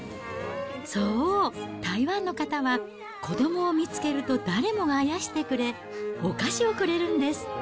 そう、台湾の方は子どもを見つけると誰もがあやしてくれ、お菓子をくれるんです。